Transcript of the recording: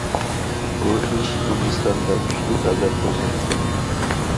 بۇ ئىش ھىندىستاندا كۈچلۈك غەزەپ قوزغىدى.